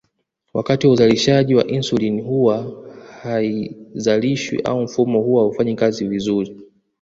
Wakati wa uzalishaji wa insulini huwa haizalishwi au mfumo huwa haufanyi kazi vizuri